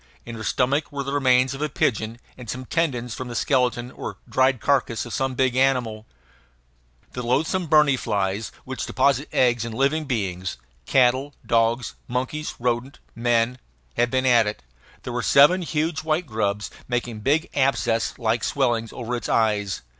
In her stomach were the remains of a pigeon and some tendons from the skeleton or dried carcass of some big animal. The loathsome berni flies, which deposit eggs in living beings cattle, dogs, monkeys, rodents, men had been at it. There were seven huge, white grubs making big abscess like swellings over its eyes.